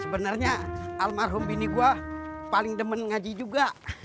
sebenarnya almarhum ini gue paling demen ngaji juga